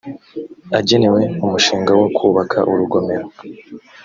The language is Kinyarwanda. agenewe umushinga wo kubaka urugomero